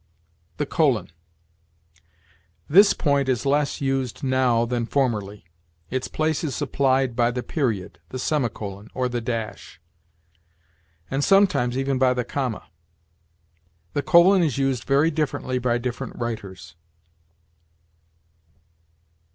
THE COLON. This point is less used now than formerly: its place is supplied by the period, the semicolon, or the dash; and sometimes, even by the comma. The colon is used very differently by different writers.